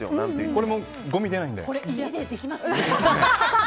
これも、ごみ出ないんで。